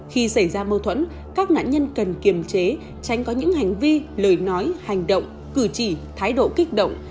khi xảy ra mâu thuẫn các nạn nhân cần kiềm chế tránh có những hành vi lời nói hành động cử chỉ thái độ kích động